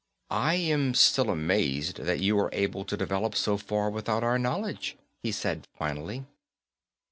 "I am still amazed that you were able to develop so far without our knowledge," he said finally.